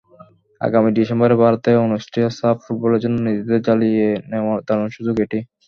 আগামী ডিসেম্বরে ভারতে অনুষ্ঠেয় সাফ ফুটবলের জন্য নিজেদের ঝালিয়ে নেওয়ার দারুণ সুযোগ এটি।